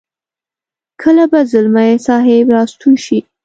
کله به ځلمی صاحب را ستون شي.